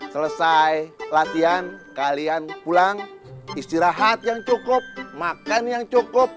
selesai latihan kalian pulang istirahat yang cukup makan yang cukup